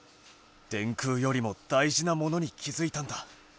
電空よりも大じなものに気づいたんだ。